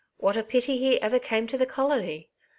''What a pity he ever came to the colony